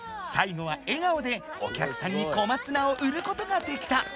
最後は笑顔でお客さんに小松菜を売ることができた！